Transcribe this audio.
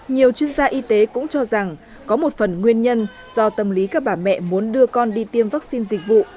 nhiều chuyên gia y tế cũng cho rằng có một phần nguyên nhân do tâm lý các bà mẹ muốn đưa con đi tiêm vaccine dịch vụ